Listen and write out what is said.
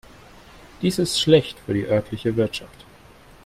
Dies ist schlecht für die örtliche Wirtschaft.